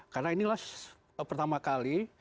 karena inilah pertama kali